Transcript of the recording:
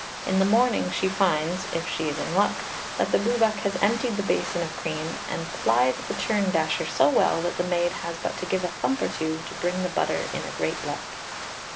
In the morning she finds (if she is in luck) that the Bwbach has emptied the basin of cream, and plied the churn dasher so well that the maid has but to give a thump or two to bring the butter in a great lump.